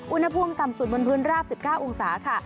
อุณหภูมิต่ำสุดบนพื้นราบ๑๙องศาค่ะ